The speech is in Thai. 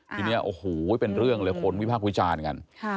ทีนี้โอ้โหเป็นเรื่องเลยคนวิพากษ์วิจารณ์กัน